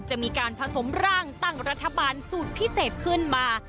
จะมีการผสมร่างตั้งรัฐบาลสูตรพิเศษขึ้นมา